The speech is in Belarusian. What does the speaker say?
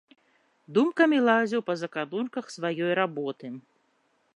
Думкамі лазіў па заканурках сваёй работы.